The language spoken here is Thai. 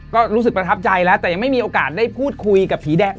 ก็รู้สึกประทับใจแล้วแต่ยังไม่มีโอกาสได้พูดคุยกับผีแดง